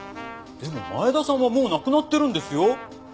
でも前田さんはもう亡くなってるんですよ？